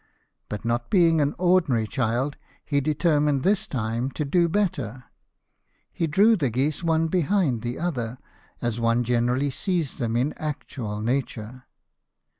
But not being an ordinary child, he determined this JOHN GIBSON, SCULPTOR. 63 time to do better ; he drew the geese one beh nd the other as one generally sees them in actual nature.